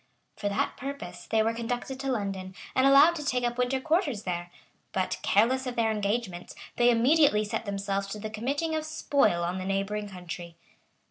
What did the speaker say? For that purpose, they were conducted to London, and allowed to take up winter quarters there; but, careless of their engagements, they immediately set themselves to the committing of spoil on the neighboring country.